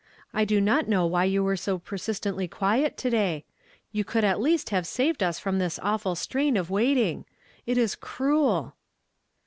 I do not know why you were so persistently quiet to day ; you could at least have saved us from this awful strain of waiting. It is cruel